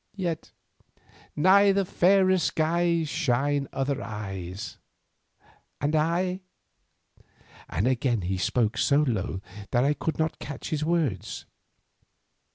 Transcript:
Yet ''Neath fairer skies Shine other eyes,' and I—" and again he spoke so low that I could not catch his words.